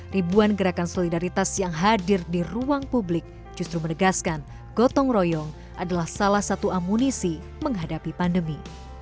ribuan gerakan solidaritas yang hadir di ruang publik justru menegaskan gotong royong adalah salah satu amunisi menghadapi pandemi